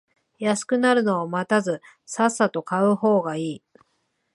安くなるのを待たずさっさと買う方がいい